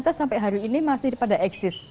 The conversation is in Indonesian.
kita sampai hari ini masih pada eksis